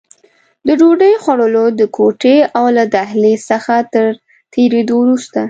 د ډوډۍ خوړلو د کوټې او له دهلېز څخه تر تېرېدو وروسته.